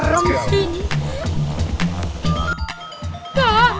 jangan gilir alu